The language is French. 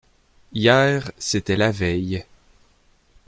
Hier, c’était la veille.